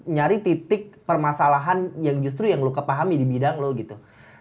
nyari titik permasalahan yang justru yang loka pahami di bidang lo gitu